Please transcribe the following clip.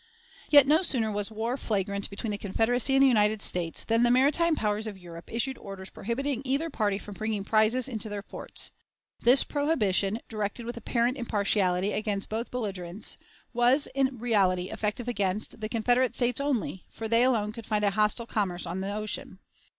Yet no sooner was war flagrant between the Confederacy and the United States than the maritime powers of Europe issued orders prohibiting either party from bringing prizes into their ports. This prohibition, directed with apparent impartiality against both belligerents, was in reality effective against, the Confederate States only, for they alone could find a hostile commerce on the ocean.